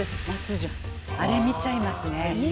あれ見ちゃいますね。